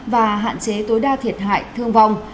và hạn chế tối đa thiệt hại thương vong